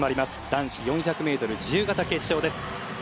男子４００ｍ自由形決勝です。